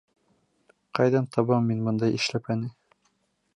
Ҡайҙан табам мин бындай эшләпәне?